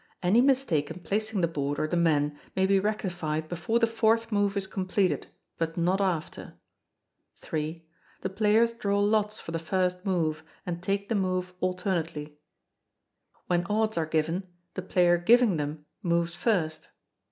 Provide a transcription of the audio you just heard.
Any mistake in placing the board or the men may be rectified before the fourth move is completed, but not after. iii. The players draw lots for the first move, and take the move alternately. [When odds are given, the player giving them moves first.